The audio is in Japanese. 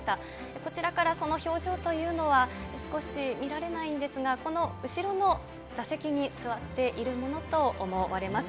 こちらからその表情というのは少し見られないんですが、この後ろの座席に座っているものと思われます。